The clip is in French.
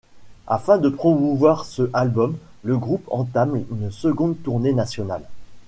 Afin de promouvoir ce album, le groupe entame une seconde tournée nationale.